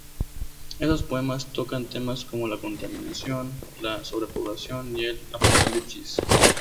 Estos poemas tocan temas como la contaminación, la sobrepoblación y el apocalipsis.